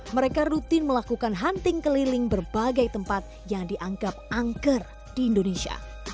mereka rutin melakukan hunting keliling berbagai tempat yang dianggap angker di indonesia